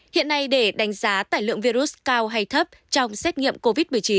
hiện nay để đánh giá tải lượng virus cao hay thấp trong xét nghiệm covid một mươi chín